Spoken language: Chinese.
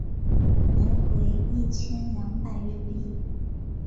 来回一千两百日币